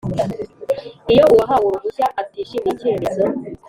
Iyo uwahawe uruhushya atishimiye icyemezo